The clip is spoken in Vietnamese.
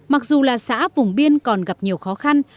mặc dù là xã vùng biên còn gặp nhiều khó khăn